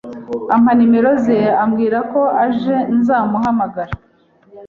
ampa nimero ze, ambwirako ejo nzamuhamagara